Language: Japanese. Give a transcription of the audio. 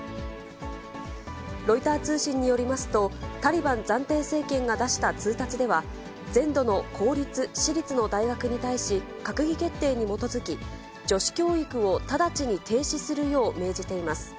ロイター通信によりますと、タリバン暫定政権が出した通達では、全土の公立、私立の大学に対し、閣議決定に基づき、女子教育を直ちに停止するよう命じています。